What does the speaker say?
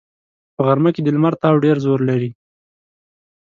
په غرمه کې د لمر تاو ډېر زور لري